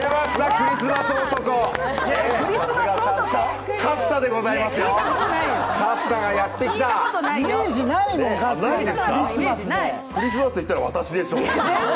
クリスマスといったら私でしょう。